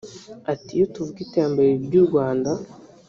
Ati ”Iyo tuvuga iterambere ry’u Rwanda